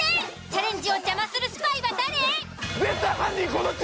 チャレンジを邪魔するスパイは誰？